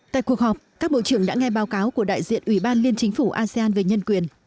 tại cuộc họp các bộ trưởng đã nghe báo cáo của đại diện ủy ban liên chính phủ asean về nhân quyền